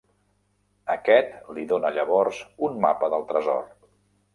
Aquest li dóna llavors un mapa del tresor.